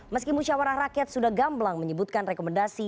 meski musyawarah rakyat sudah gamblang menyebutkan rekomendasi